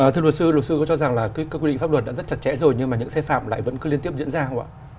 thưa luật sư luật sư có cho rằng là quy định pháp luật đã rất chặt chẽ rồi nhưng mà những xe phạm lại vẫn cứ liên tiếp diễn ra không ạ